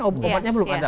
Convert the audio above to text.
obatnya belum ada